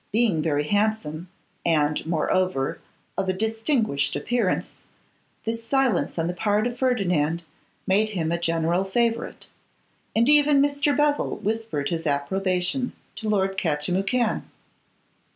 Being very handsome, and, moreover, of a distinguished appearance, this silence on the part of Ferdinand made him a general favourite, and even Mr. Bevil whispered his approbation to Lord Catchimwhocan.